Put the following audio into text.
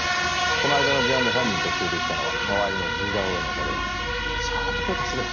この間の事案で犯人特定できたのは川合の似顔絵のおかげだちょっと手貸してくれ。